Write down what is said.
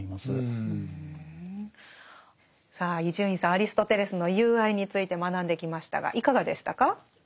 アリストテレスの「友愛」について学んできましたがいかがでしたか？